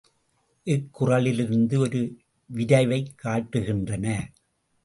இக் குறளிலிருந்து ஒரு விரைவைக் காட்டுகின்றன.